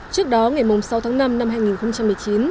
trước đó ngày sáu tháng năm năm hai nghìn một mươi chín